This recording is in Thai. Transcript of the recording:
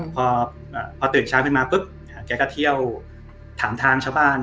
พอตื่นเช้าขึ้นมาปุ๊บแกก็เที่ยวถามทางชาวบ้าน